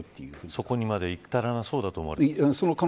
そこにまで至らなそうだと思いますか。